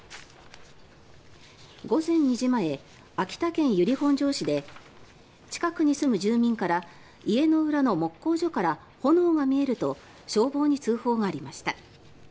午前２時前秋田県由利本荘市で近くに住む住民から家の裏の木工所から炎が見えると消防に通報がありました。